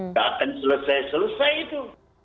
nggak akan selesai selesai itu